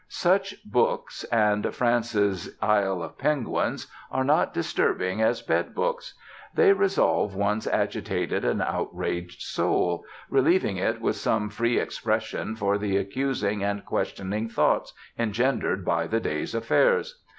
Such books, and France's "Isle of Penguins," are not disturbing as bed books. They resolve one's agitated and outraged soul, relieving it with some free expression for the accusing and questioning thoughts engendered by the day's affairs.